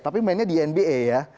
tapi mainnya di nba ya